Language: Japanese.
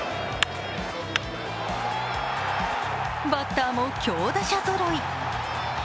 バッターも強打者ぞろい。